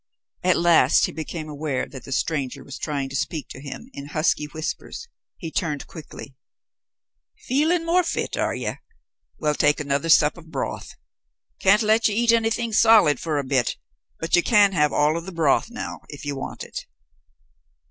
At last he became aware that the stranger was trying to speak to him in husky whispers. He turned quickly. "Feeling more fit, are you? Well, take another sup of broth. Can't let you eat anything solid for a bit, but you can have all of the broth now if you want it."